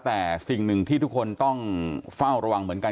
แต่สิ่งหนึ่งที่ทุกคนต้องเฝ้าระวังเหมือนกัน